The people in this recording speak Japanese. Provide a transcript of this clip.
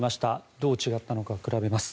どう違ったのかを比べます。